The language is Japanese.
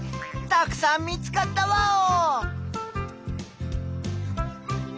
たくさん見つかったワオ！